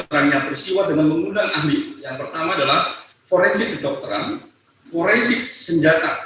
rangka peristiwa dengan mengundang ahli yang pertama adalah forensik kedokteran forensik senjata